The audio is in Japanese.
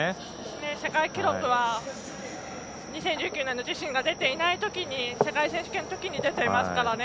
世界記録は２０１９年で自身が出ていないときに世界選手権のときに出ていますからね。